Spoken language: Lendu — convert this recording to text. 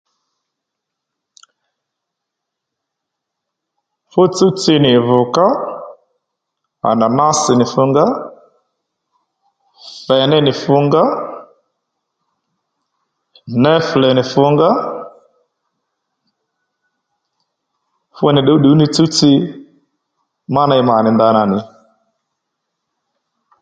Fú tsúw-tsi nì vùgá, ànànásì nì fungá, fèné nì fungá, něfle nì fungá fú nì ddǔwddúw ní tsúw-tsi ma ney mà nì ndanà nì